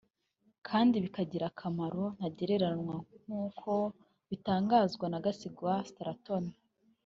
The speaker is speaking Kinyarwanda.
kandi kibagirira akamaro ntagereranywa nk’uko bitangazwa na Gasigwa Straton